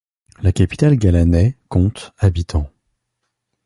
La capitale Ghalanai compte habitants.